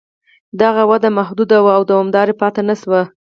دغه وده محدوده وه او دوامداره پاتې نه شوه.